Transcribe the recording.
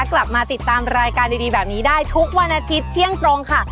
กลับมาติดตามรายการดีแบบนี้ได้ทุกวันอาทิตย์เที่ยงตรงค่ะ